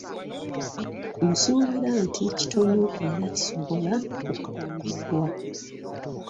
Nsuubira nti kitono era kisobola okugonjoolwa.